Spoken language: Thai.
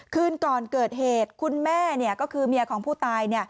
คืนก่อนเกิดเหตุคุณแม่ก็คือเมียของผู้ตาย